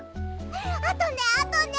あとねあとね。